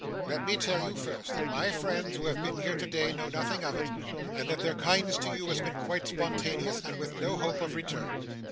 'Let me tell you, first, that my friends who have been here to day, know nothing of it, and that their kindness to you has been quite spontaneous and with no hope of return.